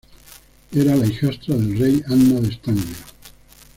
Era la hijastra del rey Anna de Estanglia.